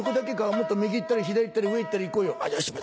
もっと右行ったり左行ったり上行ったり行こうよ。